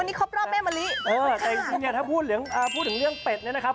วันนี้เขาประวัติแม่มะลิเออแต่ถ้าพูดถึงเรื่องเป็ดนะครับ